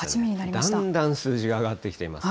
だんだん数字が上がってきています。